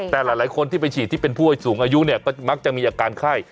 แต่หลายคนที่ไปฉีดที่เป็นผู้ให้สูงอายุเนี่ยก็มักจะมีอาการไข้